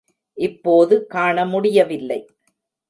இப்போது காண முடியவில்லை.